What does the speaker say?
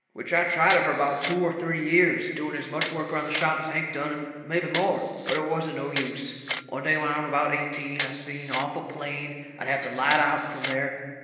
Which I tried it fur about two or three years, doing as much work around the shop as Hank done and mebby more. But it wasn't no use. One day when I'm about eighteen, I seen awful plain I'll have to light out from there.